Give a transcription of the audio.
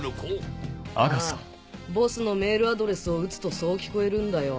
⁉ああボスのメールアドレスを打つとそう聞こえるんだよ。